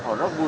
họ rất vui